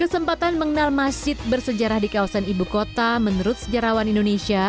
kesempatan mengenal masjid bersejarah di kawasan ibu kota menurut sejarawan indonesia